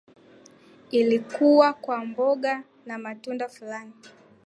Ilikuwa kwa mboga na matunda fulani